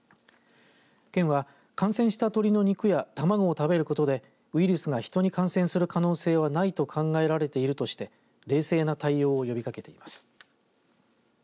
県は感染した鳥の肉や卵を食べることでウイルスがヒトに感染する可能性はないと考えられているとして冷静な対応を呼びかけています。